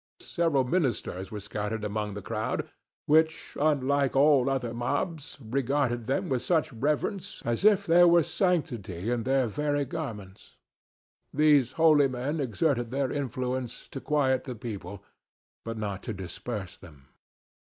Several ministers were scattered among the crowd, which, unlike all other mobs, regarded them with such reverence as if there were sanctity in their very garments. These holy men exerted their influence to quiet the people, but not to disperse them.